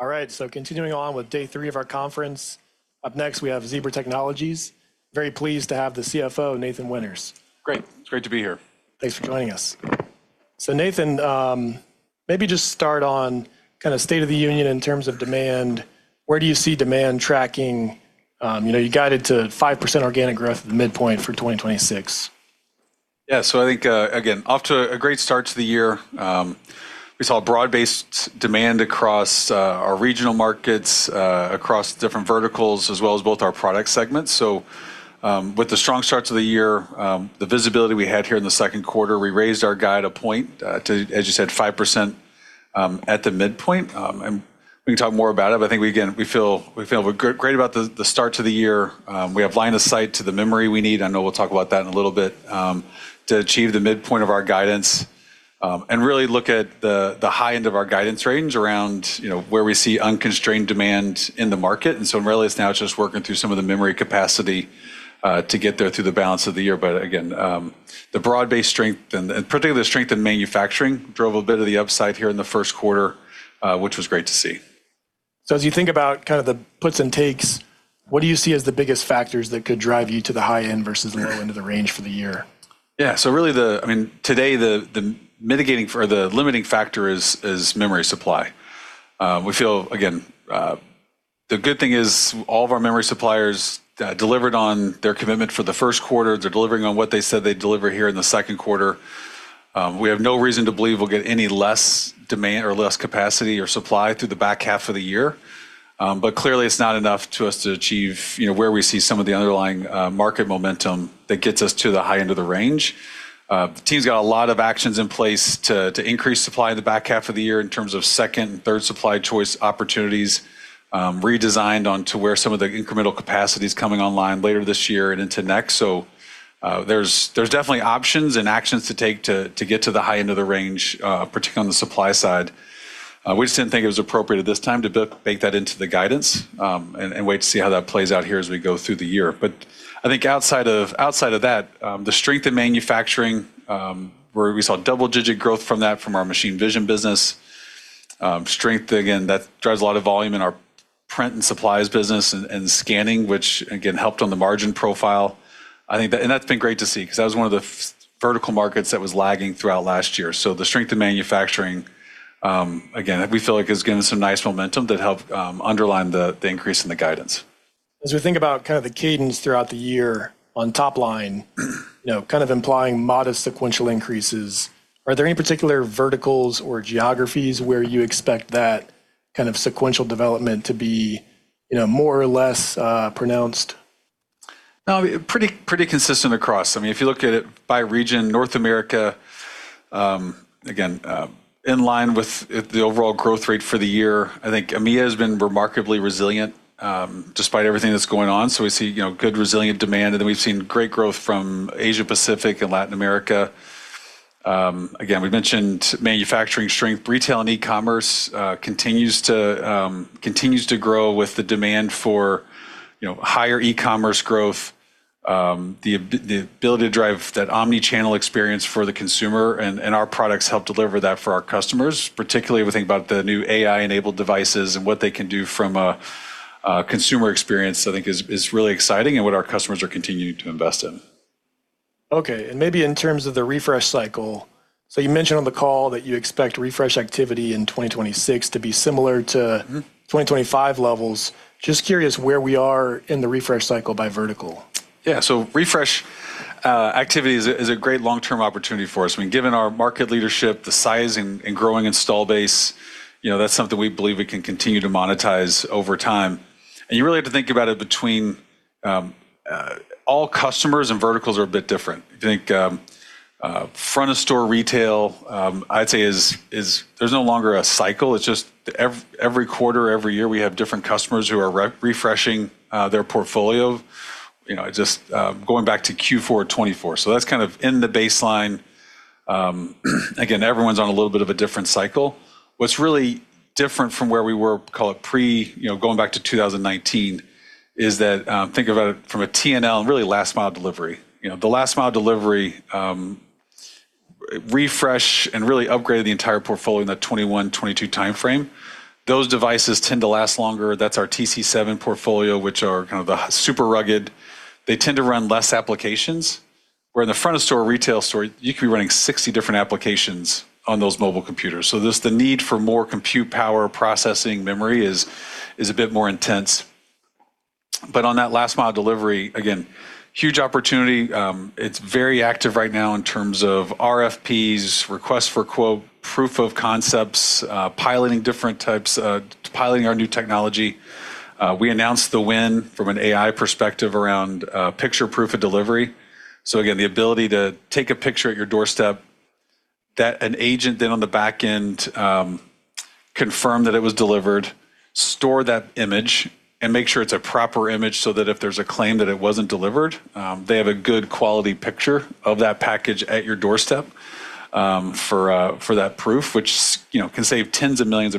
All right, continuing on with day three of our conference. Up next, we have Zebra Technologies. Very pleased to have the CFO, Nathan Winters. Great. It's great to be here. Thanks for joining us. Nathan, maybe just start on kind of state of the union in terms of demand. Where do you see demand tracking? You guided to 5% organic growth at the midpoint for 2026. I think, again, off to a great start to the year. We saw broad-based demand across our regional markets, across different verticals, as well as both our product segments. With the strong start to the year, the visibility we had here in the second quarter, we raised our guide 1 point to, as you said, 5% at the midpoint. We can talk more about it, but I think, again, we feel great about the start to the year. We have line of sight to the memory we need, I know we'll talk about that in a little bit, to achieve the midpoint of our guidance, and really look at the high end of our guidance range around where we see unconstrained demand in the market. Really, it's now just working through some of the memory capacity to get there through the balance of the year. Again, the broad-based strength and particularly the strength in manufacturing drove a bit of the upside here in the first quarter, which was great to see. As you think about kind of the puts and takes, what do you see as the biggest factors that could drive you to the high end versus the low end of the range for the year? Really, today, the mitigating or the limiting factor is memory supply. We feel, again, the good thing is all of our memory suppliers delivered on their commitment for the first quarter. They're delivering on what they said they'd deliver here in the second quarter. We have no reason to believe we'll get any less demand or less capacity or supply through the back half of the year. Clearly, it's not enough to us to achieve where we see some of the underlying market momentum that gets us to the high end of the range. The team's got a lot of actions in place to increase supply in the back half of the year in terms of second and third supply choice opportunities, redesigned onto where some of the incremental capacity's coming online later this year and into next. There's definitely options and actions to take to get to the high end of the range, particularly on the supply side. We just didn't think it was appropriate at this time to bake that into the guidance, and wait to see how that plays out here as we go through the year. I think outside of that, the strength in manufacturing, where we saw double-digit growth from that, from our machine vision business. Strength, again, that drives a lot of volume in our print and supplies business and scanning, which again, helped on the margin profile. That's been great to see, because that was one of the vertical markets that was lagging throughout last year. The strength in manufacturing, again, we feel like has given some nice momentum that help underline the increase in the guidance. As we think about kind of the cadence throughout the year on top line, kind of implying modest sequential increases, are there any particular verticals or geographies where you expect that kind of sequential development to be more or less pronounced? No, pretty consistent across. If you look at it by region, North America, again, in line with the overall growth rate for the year. I think EMEA has been remarkably resilient, despite everything that's going on. We see good resilient demand. We've seen great growth from Asia-Pacific and Latin America. Again, we've mentioned manufacturing strength. Retail and e-commerce continues to grow with the demand for higher e-commerce growth, the ability to drive that omni-channel experience for the consumer, and our products help deliver that for our customers. Particularly, we think about the new AI-enabled devices and what they can do from a consumer experience, I think is really exciting and what our customers are continuing to invest in. Okay. Maybe in terms of the refresh cycle, so you mentioned on the call that you expect refresh activity in 2026 to be similar to. 2025 levels. Just curious where we are in the refresh cycle by vertical? Yeah. Refresh activity is a great long-term opportunity for us. Given our market leadership, the size and growing install base, that's something we believe we can continue to monetize over time. You really have to think about it between all customers, and verticals are a bit different. I think front-of-store retail, I'd say there's no longer a cycle. It's just every quarter, every year, we have different customers who are refreshing their portfolio, just going back to Q4 2024. That's kind of in the baseline. Again, everyone's on a little bit of a different cycle. What's really different from where we were, call it going back to 2019, is that, think aboutit from a T&L, really last mile delivery. The last mile delivery refresh and really upgraded the entire portfolio in that 2021, 2022 timeframe. Those devices tend to last longer. That's our TC7 Series, which are kind of the super rugged. They tend to run less applications, where in the front-of-store retail store, you could be running 60 different applications on those mobile computers. Just the need for more compute power, processing memory is a bit more intense. On that last mile delivery, again, huge opportunity. It's very active right now in terms of RFPs, requests for quote, proof of concepts, piloting our new technology. We announced the win from an AI perspective around picture proof of delivery. Again, the ability to take a picture at your doorstep, that an agent then on the back end confirm that it was delivered, store that image, and make sure it's a proper image so that if there's a claim that it wasn't delivered, they have a good quality picture of that package at your doorstep for that proof, which can save $10s of millions.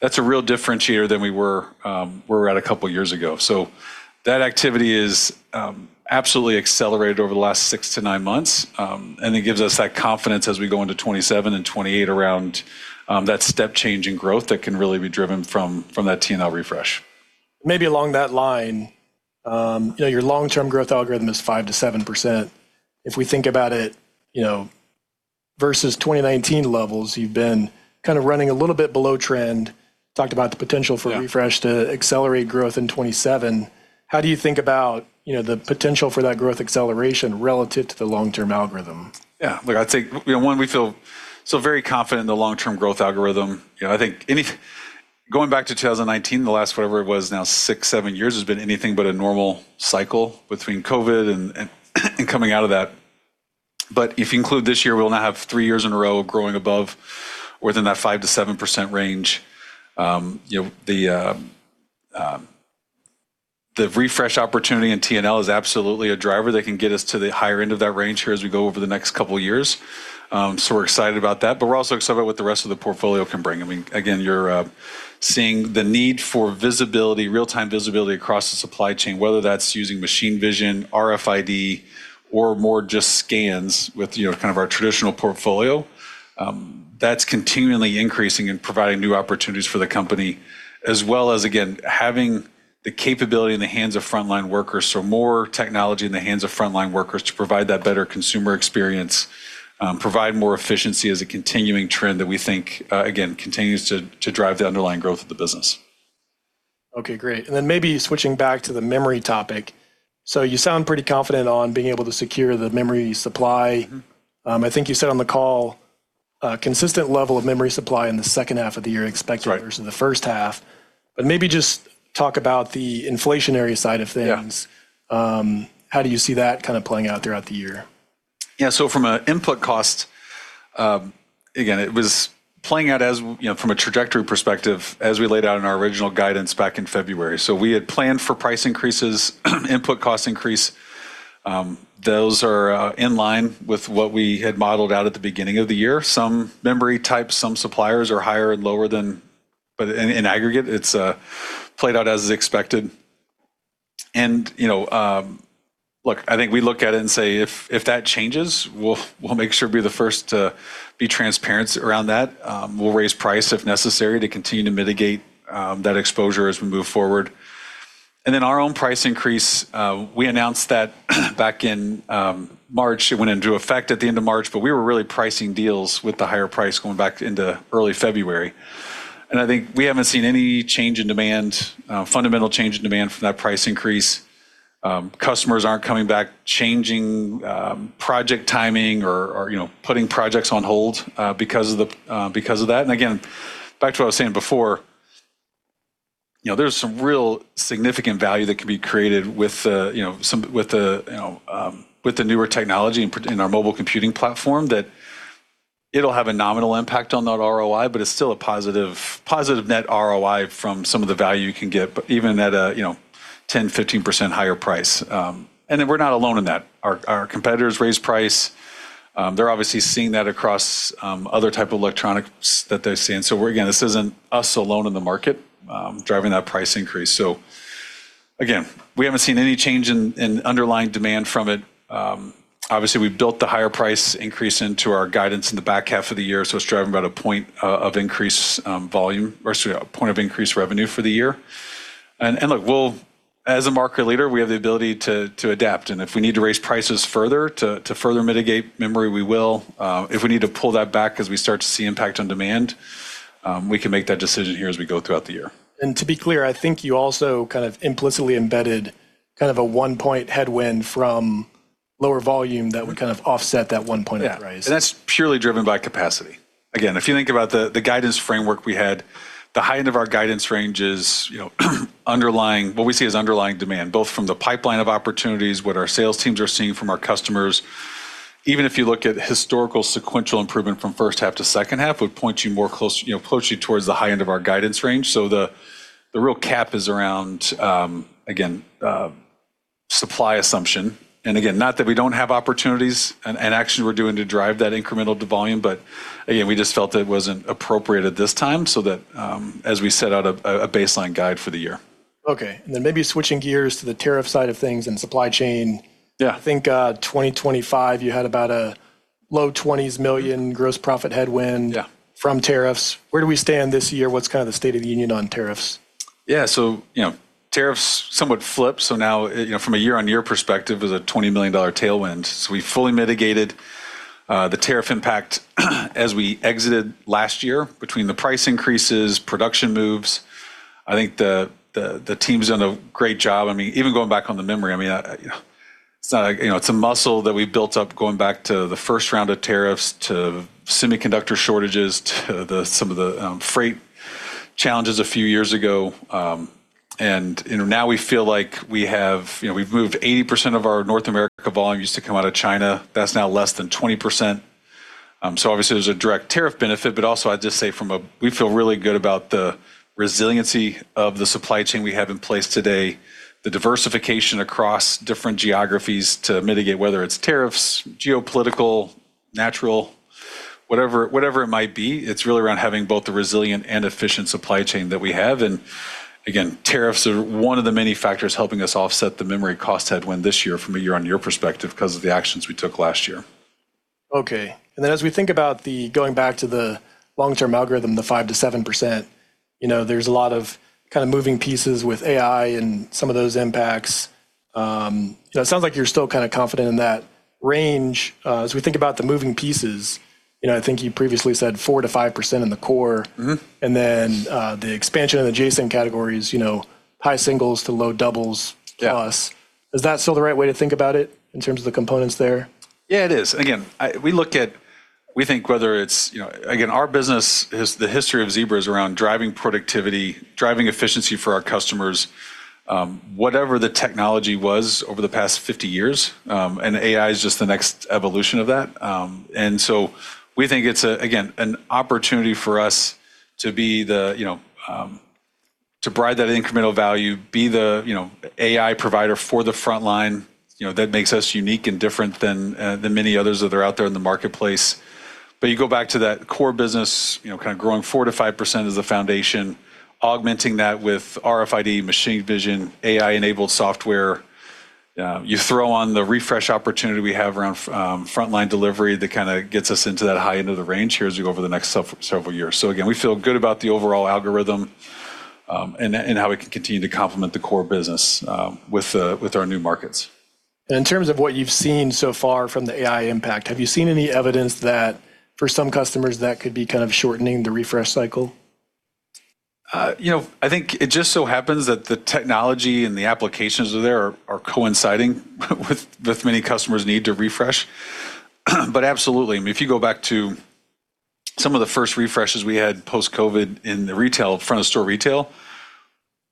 That's a real differentiator than we were at a couple of years ago. That activity is absolutely accelerated over the last six to nine months. It gives us that confidence as we go into 2027 and 2028 around that step change in growth that can really be driven from that TNL refresh. Maybe along that line, your long-term growth algorithm is 5%-7%. If we think about it, versus 2019 levels, you've been running a little bit below trend. Talked about the potential for. Yeah. Refresh to accelerate growth in 2027. How do you think about the potential for that growth acceleration relative to the long-term algorithm? Yeah. Look, I'd say, one, we feel so very confident in the long-term growth algorithm. I think going back to 2019, the last, whatever it was now, six, seven years, has been anything but a normal cycle between COVID and coming out of that. If you include this year, we'll now have three years in a row of growing above or within that 5%-7% range. The refresh opportunity in TNL is absolutely a driver that can get us to the higher end of that range here as we go over the next couple of years. We're excited about that, but we're also excited about what the rest of the portfolio can bring. Again, you're seeing the need for visibility, real-time visibility across the supply chain, whether that's using machine vision, RFID, or more just scans with our traditional portfolio. That's continually increasing and providing new opportunities for the company, as well as, again, having the capability in the hands of frontline workers. More technology in the hands of frontline workers to provide that better consumer experience, provide more efficiency as a continuing trend that we think, again, continues to drive the underlying growth of the business. Okay, great. Maybe switching back to the memory topic. You sound pretty confident on being able to secure the memory supply. I think you said on the call a consistent level of memory supply in the second half of the year. Right. expect versus the first half. Maybe just talk about the inflationary side of things. Yeah. How do you see that playing out throughout the year? From an input cost, again, it was playing out from a trajectory perspective as we laid out in our original guidance back in February. We had planned for price increases, input cost increase. Those are in line with what we had modeled out at the beginning of the year. Some memory types, some suppliers are higher and lower than, but in aggregate, it's played out as expected. Look, I think we look at it and say, if that changes, we'll make sure to be the first to be transparent around that. We'll raise price if necessary to continue to mitigate that exposure as we move forward. Our own price increase, we announced that back in March. It went into effect at the end of March, but we were really pricing deals with the higher price going back into early February. I think we haven't seen any change in demand, fundamental change in demand from that price increase. Customers aren't coming back changing project timing or putting projects on hold because of that. Again, back to what I was saying before, there's some real significant value that can be created with the newer technology in our mobile computing platform that it'll have a nominal impact on that ROI, but it's still a positive net ROI from some of the value you can get, even at a 10%, 15% higher price. Then we're not alone in that. Our competitors raise price. They're obviously seeing that across other type of electronics that they're seeing. Again, this isn't us alone in the market driving that price increase. Again, we haven't seen any change in underlying demand from it. We've built the higher price increase into our guidance in the back half of the year, so it's driving about 1 point of increased revenue for the year. As a market leader, we have the ability to adapt. If we need to raise prices further to further mitigate memory, we will. If we need to pull that back as we start to see impact on demand, we can make that decision here as we go throughout the year. To be clear, I think you also implicitly embedded a 1-point headwind from lower volume that would kind of offset that 1 point of price. Yeah. That's purely driven by capacity. Again, if you think about the guidance framework we had, the high end of our guidance range is what we see as underlying demand, both from the pipeline of opportunities, what our sales teams are seeing from our customers. Even if you look at historical sequential improvement from first half to second half, approach you towards the high end of our guidance range. The real cap is around, again, supply assumption. Again, not that we don't have opportunities and actions we're doing to drive that incremental volume, but again, we just felt it wasn't appropriate at this time. Okay. Maybe switching gears to the tariff side of things and supply chain. Yeah. I think 2025, you had about a low $20 million gross profit headwind Yeah. from tariffs. Where do we stand this year? What's kind of the State of the Union on tariffs? Yeah. Tariffs somewhat flipped. Now, from a year-on-year perspective, there's a $20 million tailwind. We fully mitigated the tariff impact as we exited last year between the price increases, production moves. I think the team's done a great job. Even going back on the memory, it's a muscle that we built up going back to the first round of tariffs, to semiconductor shortages, to some of the freight challenges a few years ago. Now we feel like we've moved 80% of our North America volume used to come out of China. That's now less than 20%. Obviously, there's a direct tariff benefit, but also, I'd just say we feel really good about the resiliency of the supply chain we have in place today, the diversification across different geographies to mitigate, whether it's tariffs, geopolitical, natural, whatever it might be. It's really around having both the resilient and efficient supply chain that we have. Again, tariffs are one of the many factors helping us offset the memory cost headwind this year from a year-on-year perspective because of the actions we took last year. Okay. As we think about going back to the long-term algorithm, the 5%-7%, there's a lot of moving pieces with AI and some of those impacts. It sounds like you're still kind of confident in that range. As we think about the moving pieces, I think you previously said 4%-5% in the core. The expansion of the adjacent categories, high singles to low doubles plus. Is that still the right way to think about it in terms of the components there? Yeah, it is. Again, our business, the history of Zebra is around driving productivity, driving efficiency for our customers, whatever the technology was over the past 50 years. AI is just the next evolution of that. We think it's, again, an opportunity for us to provide that incremental value, be the AI provider for the frontline. That makes us unique and different than many others that are out there in the marketplace. You go back to that core business, kind of growing 4%-5% as the foundation, augmenting that with RFID, machine vision, AI-enabled software. You throw on the refresh opportunity we have around frontline delivery, that kind of gets us into that high end of the range here as we go over the next several years. Again, we feel good about the overall algorithm, and how we can continue to complement the core business with our new markets. In terms of what you've seen so far from the AI impact, have you seen any evidence that for some customers, that could be kind of shortening the refresh cycle? I think it just so happens that the technology and the applications that are there are coinciding with many customers' need to refresh. Absolutely. If you go back to some of the first refreshes we had post-COVID in front-of-store retail,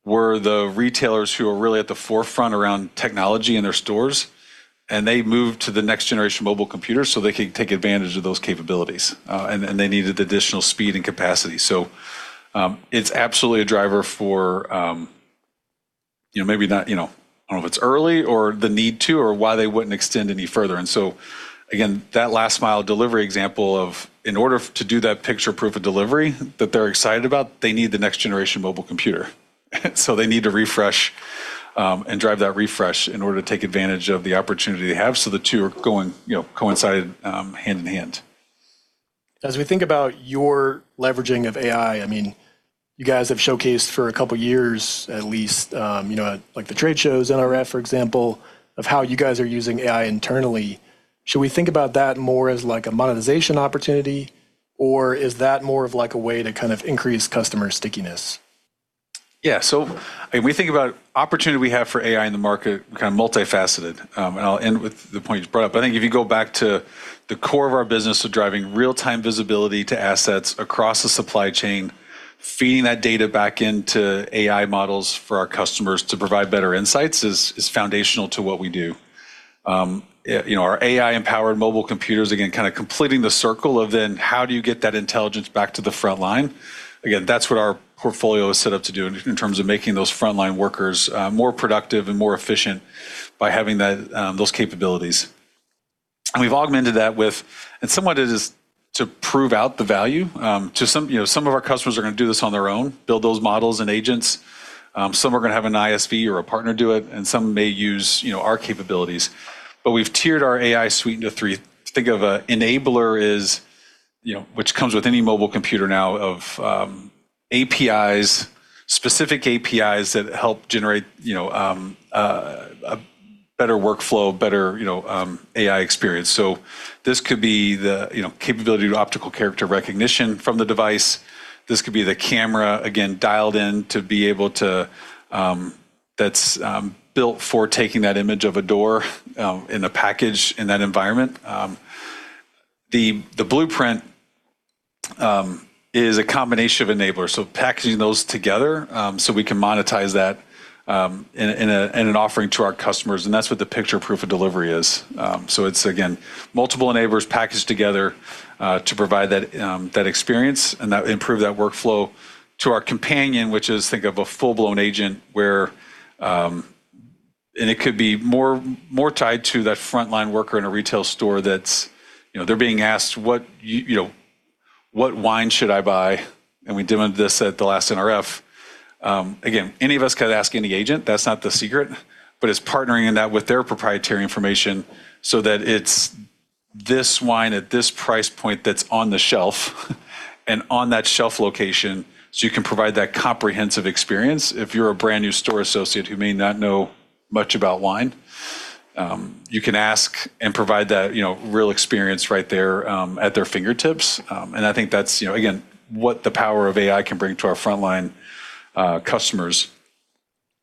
were the retailers who were really at the forefront around technology in their stores, and they moved to the next generation mobile computer so they could take advantage of those capabilities. They needed additional speed and capacity. It's absolutely a driver for, I don't know if it's early, or the need to, or why they wouldn't extend any further. Again, that last mile delivery example of in order to do that picture proof of delivery that they're excited about, they need the next generation mobile computer. They need to refresh and drive that refresh in order to take advantage of the opportunity they have. The two coincided hand in hand. As we think about your leveraging of AI, you guys have showcased for a couple of years, at least, like the trade shows, NRF, for example, of how you guys are using AI internally. Should we think about that more as like a monetization opportunity, or is that more of like a way to kind of increase customer stickiness? Yeah. We think about opportunity we have for AI in the market, kind of multifaceted. I'll end with the point you just brought up. I think if you go back to the core of our business of driving real-time visibility to assets across the supply chain, feeding that data back into AI models for our customers to provide better insights is foundational to what we do. Our AI-empowered mobile computers, again, kind of completing the circle of then how do you get that intelligence back to the front line? Again, that's what our portfolio is set up to do in terms of making those frontline workers more productive and more efficient by having those capabilities. We've augmented that with, and somewhat it is to prove out the value. Some of our customers are going to do this on their own, build those models and agents. Some are going to have an ISV or a partner do it, and some may use our capabilities. We've tiered our AI Suite into three. Think of an enabler, which comes with any mobile computer now, of specific APIs that help generate a better workflow, better AI experience. This could be the capability of optical character recognition from the device. This could be the camera, again, dialed in that's built for taking that image of a door in a package in that environment. The blueprint is a combination of enablers. Packaging those together, so we can monetize that in an offering to our customers, and that's what the picture proof of delivery is. It's, again, multiple enablers packaged together, to provide that experience and improve that workflow to our companion, which is, think of a full-blown agent, and it could be more tied to that frontline worker in a retail store that they're being asked, "What wine should I buy?" We demoed this at the last NRF. Again, any of us could ask any agent, that's not the secret, but it's partnering in that with their proprietary information so that it's this wine at this price point that's on the shelf and on that shelf location. You can provide that comprehensive experience. If you're a brand new store associate who may not know much about wine, you can ask and provide that real experience right there at their fingertips. I think that's, again, what the power of AI can bring to our frontline customers,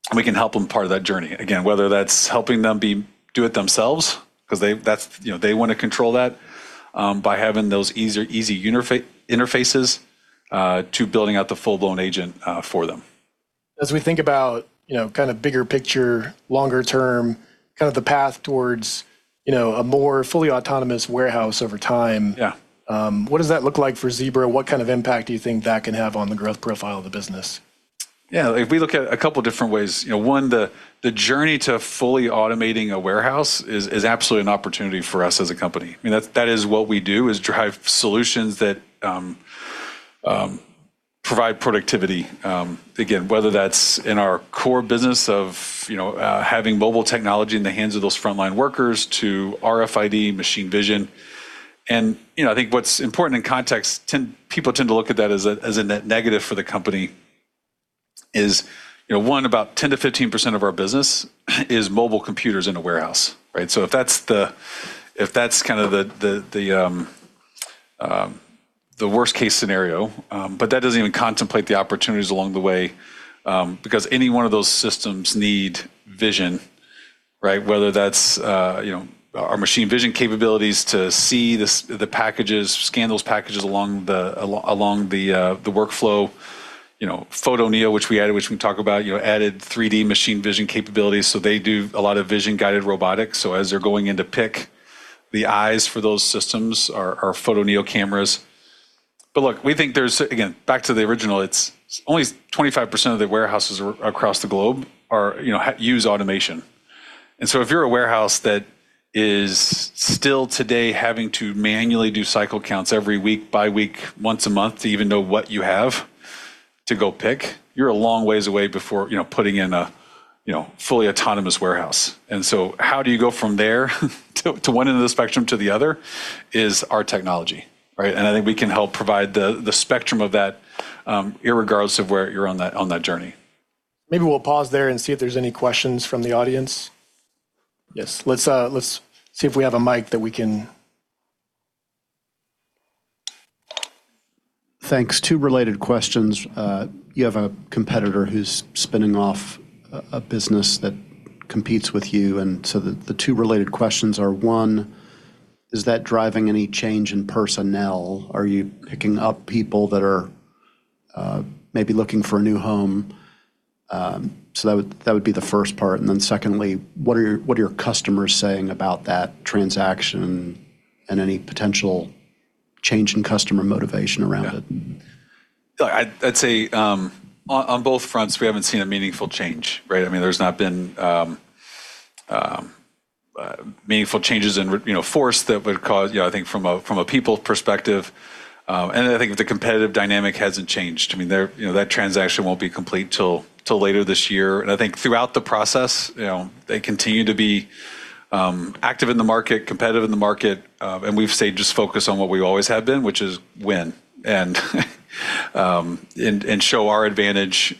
and we can help them part of that journey. Again, whether that's helping them do it themselves because they want to control that by having those easy interfaces, to building out the full-blown agent for them. As we think about kind of bigger picture, longer term, the path towards a more fully autonomous warehouse over time. Yeah. What does that look like for Zebra? What kind of impact do you think that can have on the growth profile of the business? Yeah. If we look at a couple of different ways, one, the journey to fully automating a warehouse is absolutely an opportunity for us as a company. That is what we do, is drive solutions that provide productivity. Again, whether that's in our core business of having mobile technology in the hands of those frontline workers to RFID machine vision. I think what's important in context, people tend to look at that as a net negative for the company is, one, about 10%-15% of our business is mobile computers in a warehouse, right? If that's kind of the worst-case scenario, that doesn't even contemplate the opportunities along the way, because any one of those systems need vision, right? Whether that's our machine vision capabilities to see the packages, scan those packages along the workflow. Photoneo, which we added, which we can talk about, added 3D machine vision capabilities. They do a lot of vision-guided robotics. As they're going in to pick, the eyes for those systems are Photoneo cameras. Look, we think there's, again, back to the original, it's only 25% of the warehouses across the globe use automation. If you're a warehouse that is still today having to manually do cycle counts every week by week, once a month, to even know what you have to go pick, you're a long ways away before putting in a fully autonomous warehouse. How do you go from there to one end of the spectrum to the other is our technology, right? I think we can help provide the spectrum of that, irregardless of where you're on that journey. Maybe we'll pause there and see if there's any questions from the audience. Yes. Let's see if we have a mic that we can. Thanks. Two related questions. You have a competitor who's spinning off a business that competes with you, and so the two related questions are, one, is that driving any change in personnel? Are you picking up people that are maybe looking for a new home? That would be the first part. Secondly, what are your customers saying about that transaction and any potential change in customer motivation around it? Yeah. Look, I'd say, on both fronts, we haven't seen a meaningful change, right? There's not been meaningful changes in force that would cause, I think from a people perspective, and I think the competitive dynamic hasn't changed. That transaction won't be complete till later this year. I think throughout the process, they continue to be active in the market, competitive in the market, and we've stayed just focused on what we always have been, which is win. Show our advantage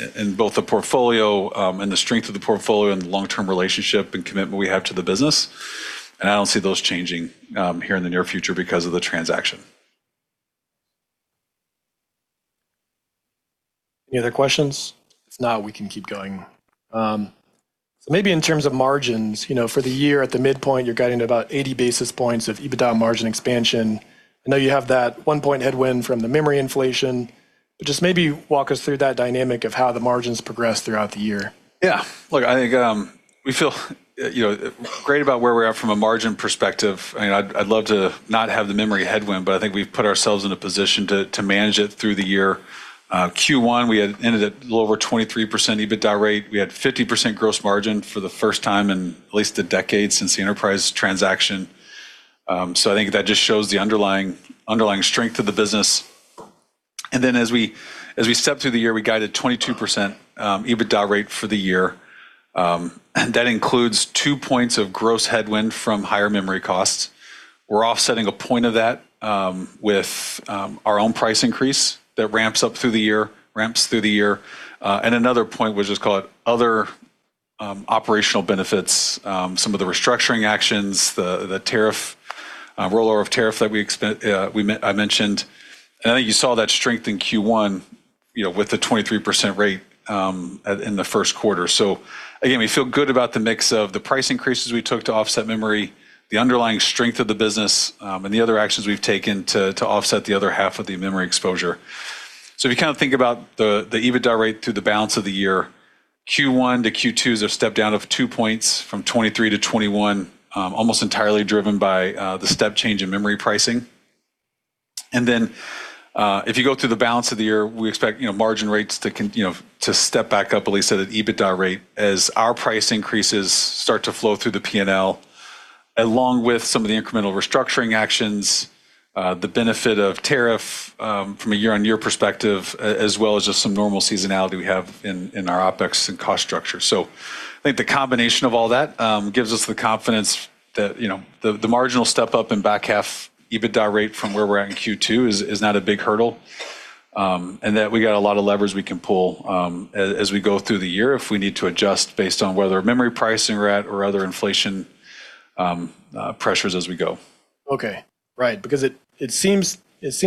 in both the portfolio, and the strength of the portfolio, and the long-term relationship and commitment we have to the business. I don't see those changing here in the near future because of the transaction. Any other questions? If not, we can keep going. In terms of margins, for the year at the midpoint, you're guiding to about 80 basis points of EBITDA margin expansion. I know you have that one point headwind from the memory inflation. Just maybe walk us through that dynamic of how the margins progress throughout the year. Yeah. Look, I think we feel great about where we're at from a margin perspective. I'd love to not have the memory headwind, but I think we've put ourselves in a position to manage it through the year. Q1, we had ended at a little over 23% EBITDA rate. We had 50% gross margin for the first time in at least a decade since the Enterprise transaction. I think that just shows the underlying strength of the business. As we step through the year, we guided 22% EBITDA rate for the year. That includes 2 points of gross headwind from higher memory costs. We're offsetting 1 point of that with our own price increase. That ramps up through the year, ramps through the year. Another 1 point, we'll just call it other operational benefits, some of the restructuring actions, the rollover of tariff that I mentioned. I think you saw that strength in Q1 with the 23% rate in the first quarter. Again, we feel good about the mix of the price increases we took to offset memory, the underlying strength of the business, and the other actions we've taken to offset the other half of the memory exposure. If you kind of think about the EBITDA rate through the balance of the year, Q1 to Q2 is a step down of two points from 23 to 21, almost entirely driven by the step change in memory pricing. If you go through the balance of the year, we expect margin rates to step back up at least at an EBITDA rate as our price increases start to flow through the P&L, along with some of the incremental restructuring actions, the benefit of tariff, from a year-on-year perspective, as well as just some normal seasonality we have in our OpEx and cost structure. I think the combination of all that gives us the confidence that the marginal step-up in back half EBITDA rate from where we're at in Q2 is not a big hurdle. That we got a lot of levers we can pull as we go through the year if we need to adjust based on where the memory pricing we're at or other inflation pressures as we go. Okay. Right. It seems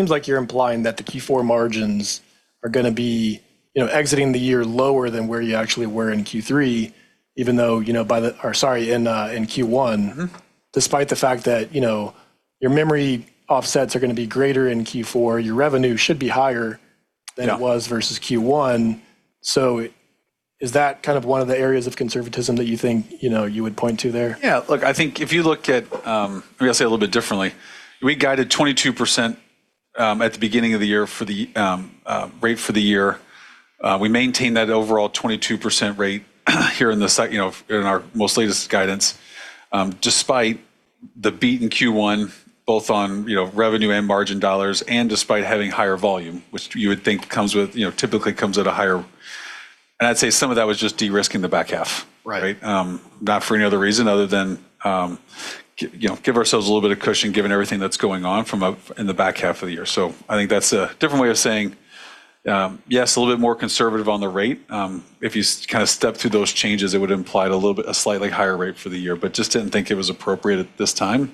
like you're implying that the Q4 margins are going to be exiting the year lower than where you actually were in Q3, even though or sorry, in Q1. Despite the fact that your memory offsets are going to be greater in Q4, your revenue should be higher- Yeah. than it was versus Q1. Is that kind of one of the areas of conservatism that you think you would point to there? Yeah. Look, I think if you look at. Maybe I'll say it a little bit differently. We guided 22% at the beginning of the year for the rate for the year. We maintained that overall 22% rate here in our most latest guidance, despite the beat in Q1, both on revenue and margin dollars, and despite having higher volume, which you would think typically comes at a higher. I'd say some of that was just de-risking the back half. Right. Not for any other reason other than, give ourselves a little bit of cushion, given everything that's going on in the back half of the year. I think that's a different way of saying, yes, a little bit more conservative on the rate. If you kind of step through those changes, it would imply a slightly higher rate for the year, but just didn't think it was appropriate at this time,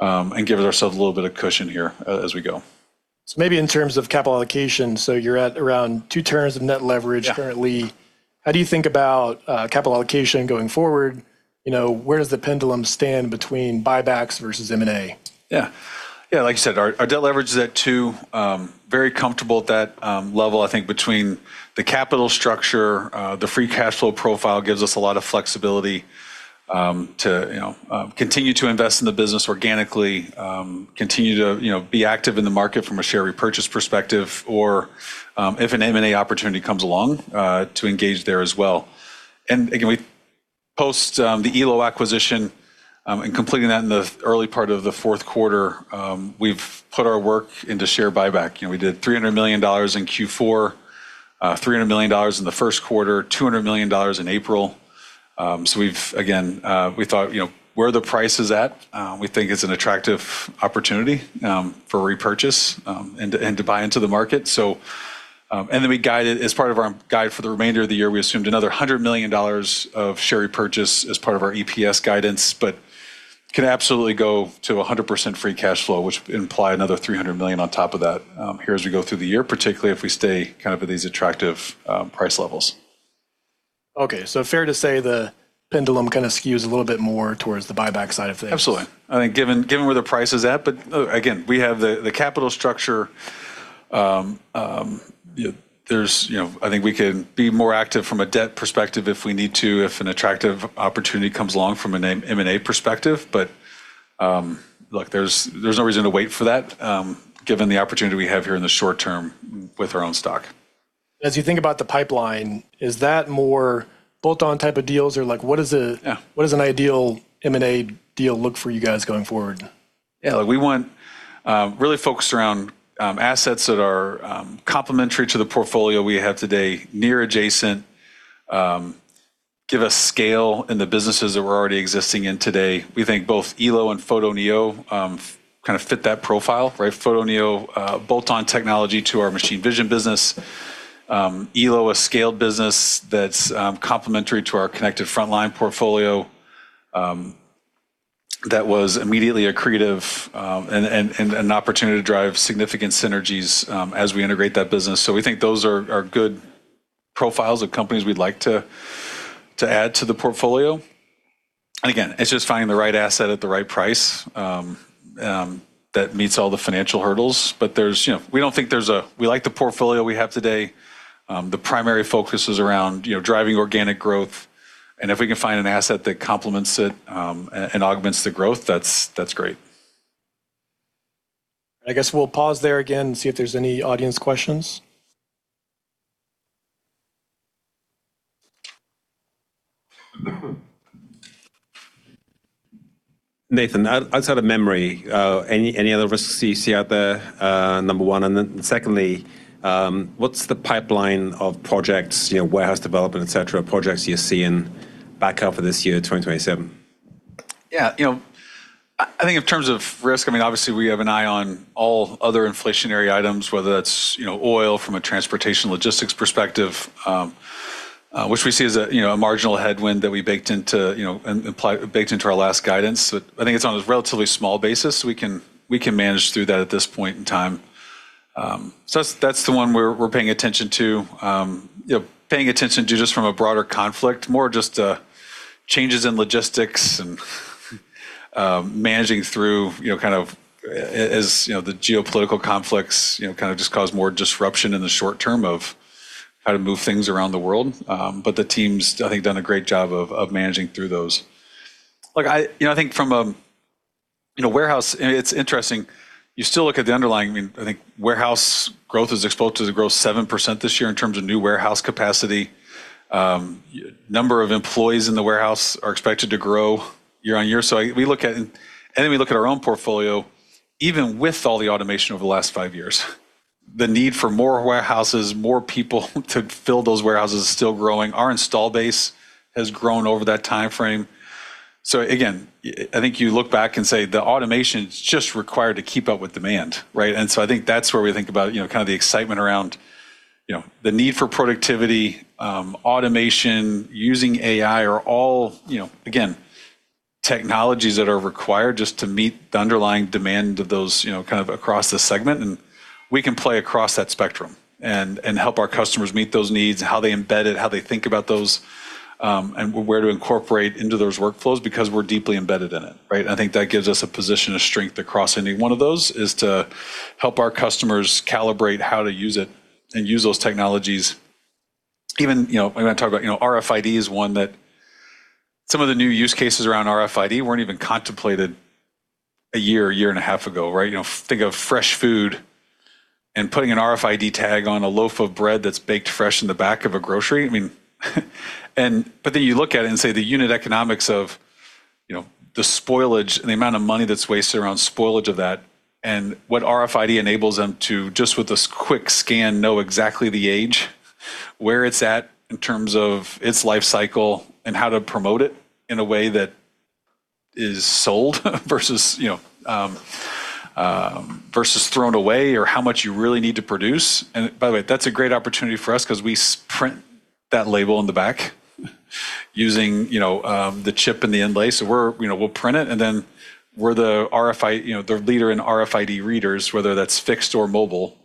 and give ourselves a little bit of cushion here as we go. Maybe in terms of capital allocation, so you're at around two turns of net leverage currently. Yeah. How do you think about capital allocation going forward? Where does the pendulum stand between buybacks versus M&A? Yeah. Like you said, our debt leverage is at 2. Very comfortable at that level. I think between the capital structure, the free cash flow profile gives us a lot of flexibility to continue to invest in the business organically, continue to be active in the market from a share repurchase perspective, or if an M&A opportunity comes along, to engage there as well. Again, we post the Elo acquisition, and completing that in the early part of the fourth quarter, we've put our work into share buyback. We did $300 million in Q4, $300 million in the first quarter, $200 million in April. Again, we thought, where the price is at, we think it's an attractive opportunity for repurchase, and to buy into the market. As part of our guide for the remainder of the year, we assumed another $100 million of share repurchase as part of our EPS guidance, but could absolutely go to 100% free cash flow, which would imply another $300 million on top of that here as we go through the year, particularly if we stay at these attractive price levels. Okay, fair to say the pendulum kind of skews a little bit more towards the buyback side of things. Absolutely. I think given where the price is at, again, we have the capital structure. I think we can be more active from a debt perspective if we need to, if an attractive opportunity comes along from an M&A perspective. Look, there's no reason to wait for that, given the opportunity we have here in the short term with our own stock. As you think about the pipeline, is that more bolt-on type of deals, or what does an ideal M&A deal look for you guys going forward? We want really focused around assets that are complementary to the portfolio we have today, near adjacent, give us scale in the businesses that we're already existing in today. We think both Elo and Photoneo kind of fit that profile, right? Photoneo, bolt-on technology to our machine vision business. Elo, a scaled business that's complementary to our connected frontline portfolio, that was immediately accretive, and an opportunity to drive significant synergies as we integrate that business. We think those are good profiles of companies we'd like to add to the portfolio. Again, it's just finding the right asset at the right price that meets all the financial hurdles. We like the portfolio we have today. The primary focus is around driving organic growth, and if we can find an asset that complements it, and augments the growth, that's great. I guess we'll pause there again and see if there's any audience questions. Nathan, outside of memory, any other risks that you see out there, number one, and then secondly, what's the pipeline of projects, warehouse development, et cetera, projects you see in back half of this year, 2027? I think in terms of risk, obviously we have an eye on all other inflationary items, whether that's oil from a transportation logistics perspective, which we see as a marginal headwind that we baked into our last guidance. I think it's on a relatively small basis, so we can manage through that at this point in time. That's the one we're paying attention to, just from a broader conflict, more just changes in logistics and managing through as the geopolitical conflicts kind of just cause more disruption in the short term of how to move things around the world. The team's, I think, done a great job of managing through those. Look, I think from a warehouse, it's interesting. You still look at the underlying, I think warehouse growth is exposed to grow 7% this year in terms of new warehouse capacity. Number of employees in the warehouse are expected to grow year on year. We look at our own portfolio, even with all the automation over the last five years, the need for more warehouses, more people to fill those warehouses is still growing. Our install base has grown over that timeframe. I think you look back and say the automation's just required to keep up with demand, right? I think that's where we think about kind of the excitement around the need for productivity, automation, using AI are all, again, technologies that are required just to meet the underlying demand of those across the segment. We can play across that spectrum and help our customers meet those needs, how they embed it, how they think about those, and where to incorporate into those workflows because we're deeply embedded in it, right? I think that gives us a position of strength across any one of those, is to help our customers calibrate how to use it and use those technologies. Even when I talk about RFID is one that some of the new use cases around RFID weren't even contemplated a year and a half ago, right? Think of fresh food and putting an RFID tag on a loaf of bread that's baked fresh in the back of a grocery. You look at it and say the unit economics of the spoilage and the amount of money that's wasted around spoilage of that and what RFID enables them to just with this quick scan know exactly the age, where it's at in terms of its life cycle, and how to promote it in a way that is sold versus thrown away or how much you really need to produce. By the way, that's a great opportunity for us because we print that label in the back using the chip and the inlay. We'll print it, then we're the leader in RFID readers, whether that's fixed or mobile.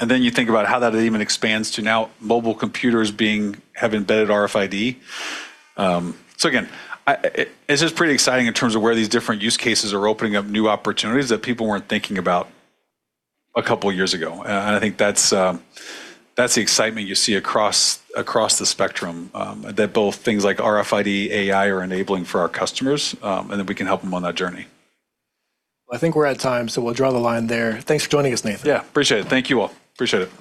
Then you think about how that even expands to now mobile computers have embedded RFID. Again, it's just pretty exciting in terms of where these different use cases are opening up new opportunities that people weren't thinking about a couple of years ago. I think that's the excitement you see across the spectrum, that both things like RFID, AI are enabling for our customers, and that we can help them on that journey. I think we're at time, so we'll draw the line there. Thanks for joining us, Nathan. Yeah, appreciate it. Thank you all. Appreciate it.